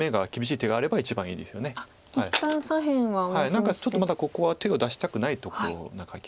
何かちょっとまだここは手を出したくないところな気がします。